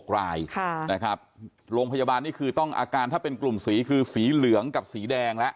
๖รายนะครับโรงพยาบาลนี่คือต้องอาการถ้าเป็นกลุ่มสีคือสีเหลืองกับสีแดงแล้ว